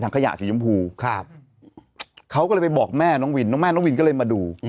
อันนี้ก็ว่าไม่รู้